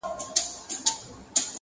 حمید وصال